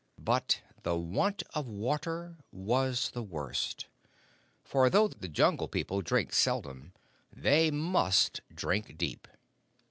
But the want of water was the worst, for though the Jungle People drink seldom they must drink deep.